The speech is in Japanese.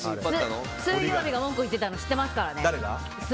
水曜日が文句言ってたの知ってますからね。